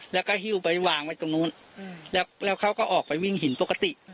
แล้วก็หิ้วไปวางไว้ตรงนู้นแล้วเขาก็ออกไปวิ่งหินปกติ